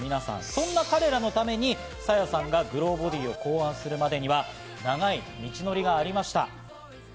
そんな彼らのためにＳａｙａさんがｇｌｏｂｏｄｙを考案するまでには、長い道程がありました。